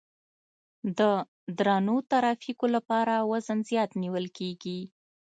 د درنو ترافیکو لپاره وزن زیات نیول کیږي